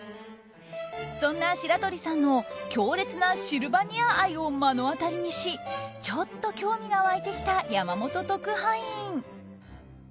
そんな白鳥さんの強烈なシルバニア愛を目の当たりにしちょっと興味が湧いてきた山本特派員。